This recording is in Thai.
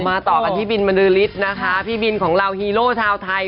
ต่อกันที่บินบรรลือฤทธิ์นะคะพี่บินของเราฮีโร่ชาวไทย